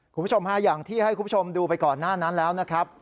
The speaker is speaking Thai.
คุณผู้ชมฮะอย่างที่ให้คุณผู้ชมดูไปก่อนหน้านั้นแล้วนะครับ